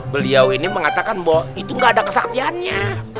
beliau ini mengatakan bahwa itu gak ada kesaktiannya